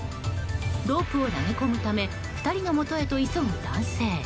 ロープを投げ込むため２人のもとへと急ぐ男性。